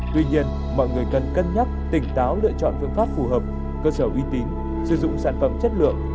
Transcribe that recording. tuy nhiên mọi người cần cân nhắc tỉnh táo lựa chọn phương pháp phù hợp cơ sở uy tín sử dụng sản phẩm chất lượng